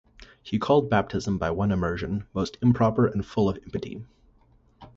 He called the baptism by one immersion most improper and full of impiety.